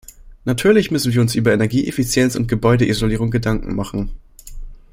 Natürlich müssen wir uns über Energieeffizienz und Gebäudeisolierung Gedanken machen.